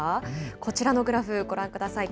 こちらのグラフ、ご覧ください。